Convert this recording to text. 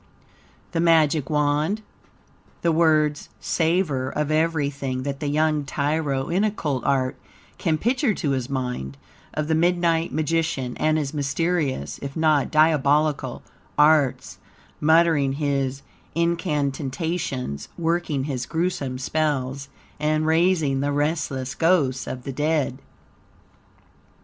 The Magic Wand. The words savor of everything that the young tyro in Occult art can picture to his mind; of the midnight magician and his mysterious, if not diabolical, arts, muttering his incantations, working his gruesome spells, and raising the restless ghosts of the dead.